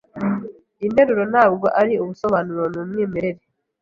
Iyi nteruro ntabwo ari ubusobanuro. Ni umwimerere